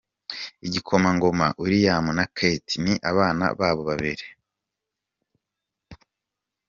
Igikomangoma William na Kate n’ abana babo babiri.